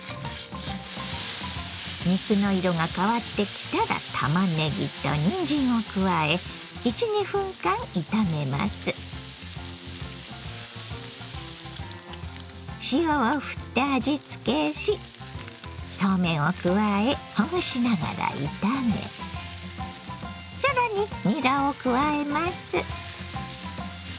肉の色が変わってきたらたまねぎとにんじんを加え塩をふって味つけしそうめんを加えほぐしながら炒め更ににらを加えます。